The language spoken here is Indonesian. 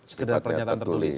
sekedar pernyataan tertulis